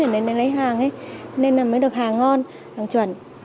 để lấy hàng nên là mới được hàng ngon hàng chuẩn